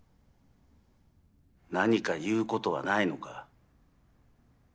何か言うことはないのか？